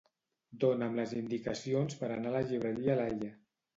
Dona'm les indicacions per anar a la llibreria Laie.